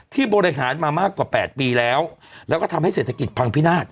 บริหารมามากกว่า๘ปีแล้วแล้วก็ทำให้เศรษฐกิจพังพินาศ